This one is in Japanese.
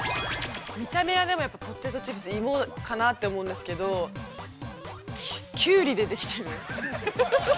◆見た目はでもやっぱりポテトチップス、芋かなと思うんですけれども、キュウリでできている？